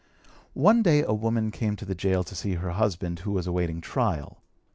One day a woman came to the gaol to see her husband, who was awaiting trial.